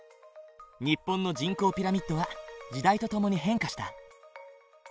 日本の人口ピラミッドは時代とともに変化した。